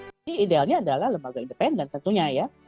idealnya adalah lembaga independen tentunya ya